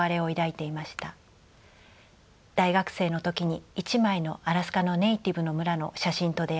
大学生の時に一枚のアラスカのネイティブの村の写真と出会い